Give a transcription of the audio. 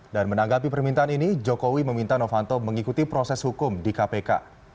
dan menanggapi permintaan ini jokowi meminta novanto mengikuti proses hukum di kpk